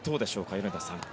米田さん。